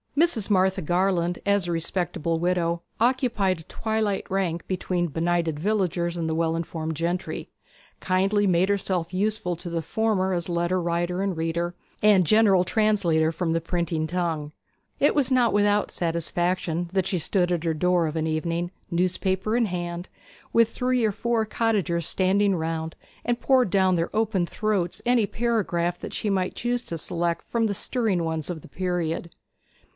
Mrs. Martha Garland, as a respectable widow, occupied a twilight rank between the benighted villagers and the well informed gentry, and kindly made herself useful to the former as letter writer and reader, and general translator from the printing tongue. It was not without satisfaction that she stood at her door of an evening, newspaper in hand, with three or four cottagers standing round, and poured down their open throats any paragraph that she might choose to select from the stirring ones of the period.